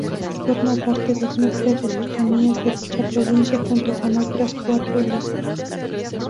Forma parte del núcleo de "Cercanías" de dicha provincia junto con otras cuatro líneas.